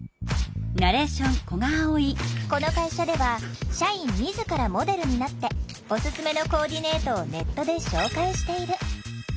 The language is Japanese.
この会社では社員自らモデルになっておすすめのコーディネートをネットで紹介している。